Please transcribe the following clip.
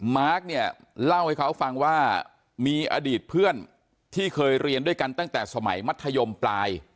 มาร์คเนี่ยเล่าให้เขาฟังว่ามีอดีตเพื่อนที่เคยเรียนด้วยกันตั้งแต่สมัยมัธยมปลาย